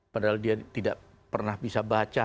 padahal dia tidak pernah bisa baca